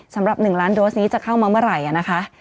สำหรับ๑ล้านโดสนี้จะเข้ามาเมื่อไหร่นะคะ